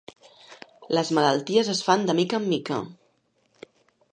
Les malalties es fan de mica en mica.